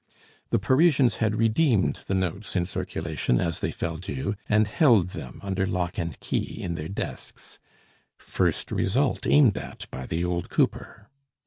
The Parisians had redeemed the notes in circulation as they fell due, and held them under lock and key in their desks. First result aimed at by the old cooper!